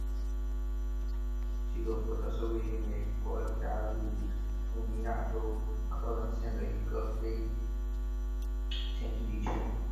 基洛沃特是位于美国加利福尼亚州克恩县的一个非建制地区。